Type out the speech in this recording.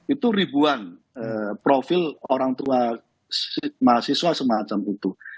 itu ribuan profil orang tua mahasiswa semacam itu